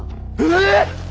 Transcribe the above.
えっ！？